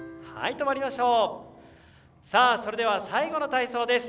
それでは最後の体操です。